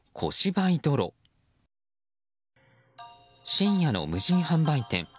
深夜の無人販売店。